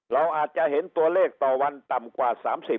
เราอาจจะเห็นตัวเลขต่อวันต่ำกว่า๓๐